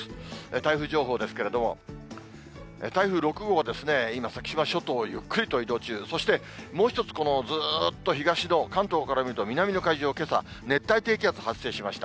台風情報ですけれども、台風６号はですね、今、先島諸島をゆっくりと移動中、そしてもう一つ、ずーっと東の、関東から見ると南の海上、けさ、熱帯低気圧発生しました。